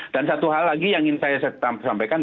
dan satu hal lagi yang ingin saya sampaikan